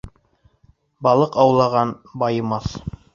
Балыҡ аулаған байымаҫ.